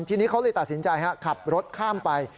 ทีนี้เขาเลยตัดสินใจขับรถข้ามไป